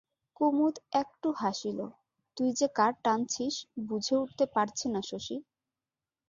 কুমুদ একটু হাসিল, তুই যে কার টানছিস বুঝে উঠতে পারছি না শশী।